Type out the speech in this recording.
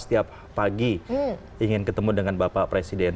setiap pagi ingin ketemu dengan bapak presiden